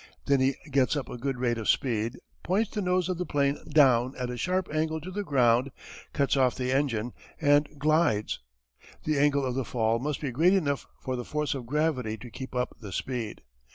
Then he gets up a good rate of speed, points the nose of the 'plane down at a sharp angle to the ground, cuts off the engine, and glides. The angle of the fall must be great enough for the force of gravity to keep up the speed.